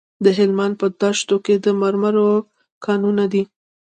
د هلمند په دیشو کې د مرمرو کانونه دي.